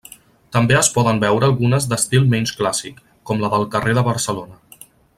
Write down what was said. També es poden veure algunes d'estil menys clàssic, com la del carrer de Barcelona.